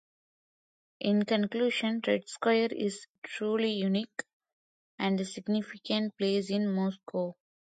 In conclusion, Red Square is a truly unique and significant place in Moscow.